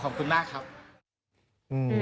ขอบคุณมากครับ